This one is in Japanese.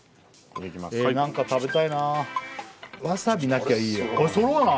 何か食べたいなわさびなきゃいいよな